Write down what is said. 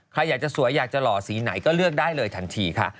ใครอยากจะสวยอยากจะหล่อสีไหนก็เลือกได้เลยทันทีค่ะ